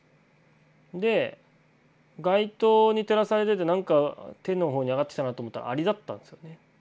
で街灯に照らされててなんか手の方に上がってきたなと思ったらアリだったんですよね。